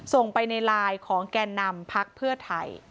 ส่งไปในไลน์ของแก่นำพักเพื่อไทย